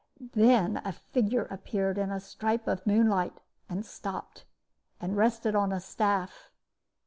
Then a figure appeared in a stripe of moonlight, and stopped, and rested on a staff.